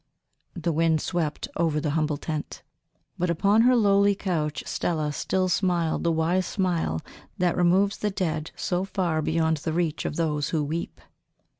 The wind swept over the humble tent, but upon her lowly couch Stella still smiled the wise smile that removes the dead so far beyond the reach of those who weep.